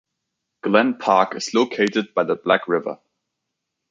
Glen Park is located by the Black River.